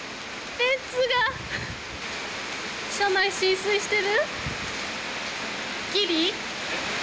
いや、浸水してる。